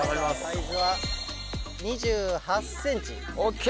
サイズは２８ｃｍ。ＯＫ！